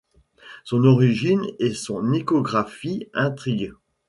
Son origine et son iconographie intriguent.